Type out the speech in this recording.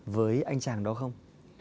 với anh chàng đó không